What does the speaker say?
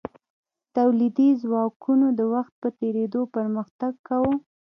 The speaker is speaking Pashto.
تولیدي ځواکونو د وخت په تیریدو پرمختګ کاوه.